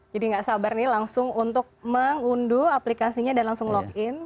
jadi nggak sabar nih langsung untuk mengunduh aplikasinya dan langsung login